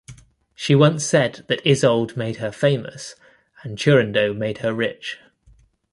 She once said that Isolde made her famous and Turandot made her rich.